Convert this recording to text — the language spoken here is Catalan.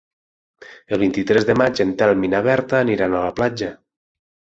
El vint-i-tres de maig en Telm i na Berta aniran a la platja.